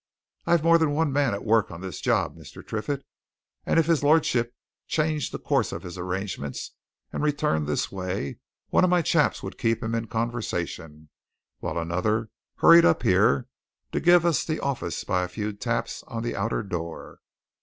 I've more than one man at work on this job, Mr. Triffitt, and if his lordship changed the course of his arrangements and returned this way, one of my chaps would keep him in conversation while another hurried up here to give us the office by a few taps on the outer door.